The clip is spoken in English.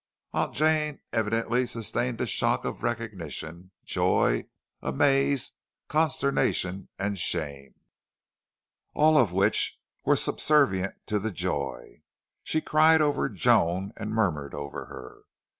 Aunt Jane evidently sustained a shock of recognition, joy, amaze, consternation, and shame, of which all were subservient to the joy. She cried over Joan and murmured over her.